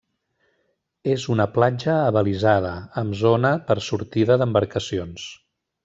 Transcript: És una platja abalisada, amb zona per a sortida d'embarcacions.